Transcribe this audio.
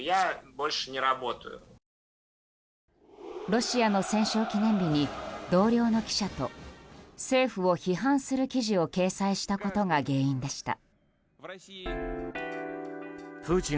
ロシアの戦勝記念日に同僚の記者と政府を批判する記事を掲載したことが原因でした。